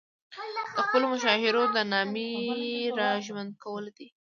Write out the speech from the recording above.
د خپلو مشاهیرو د نامې را ژوندي کولو کې.